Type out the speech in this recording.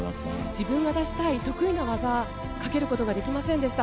自分が出したい得意な技かけることができませんでした。